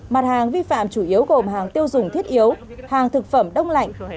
mặt hàng vi phạm chủ yếu gồm hàng tiêu dùng thiết yếu hàng thực phẩm đông lạnh